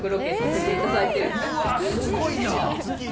すごい。